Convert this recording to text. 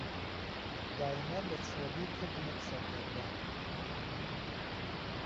دایمه له چۆلی کردمت سهرگهردان